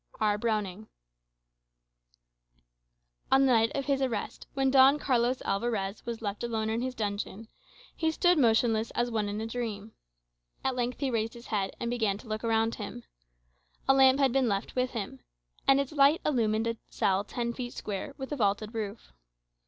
R. Browning On the night of his arrest, when Don Carlos Alvarez was left alone in his dungeon, he stood motionless as one in a dream. At length he raised his head, and began to look around him. A lamp had been left with him; and its light illumined a cell ten feet square, with a vaulted roof.